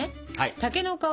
竹の皮も。